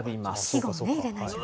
季語ね、入れないとね。